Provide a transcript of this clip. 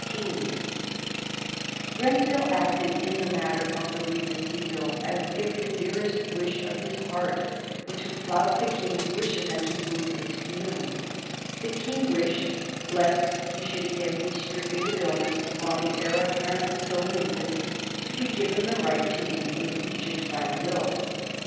[Sidenote: 1765 The King seeks to remove Grenville] Grenville acted in the matter of the Regency Bill as if the dearest wish of his heart were to flout the King's wishes and to wound his feelings. The King wished, lest he should again be stricken with illness while the heir apparent was still an infant, to be given the right to name a regent by will.